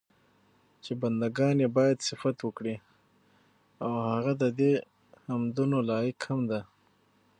چې بندګان ئي بايد صفت وکړي، او هغه ددي حمدونو لائق هم دی